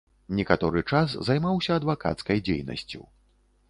Некаторы час займаўся адвакацкай дзейнасцю.